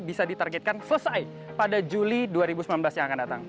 bisa ditargetkan selesai pada juli dua ribu sembilan belas yang akan datang